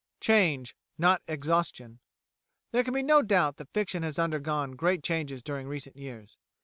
"Change" not "Exhaustion" There can be no doubt that fiction has undergone great changes during recent years.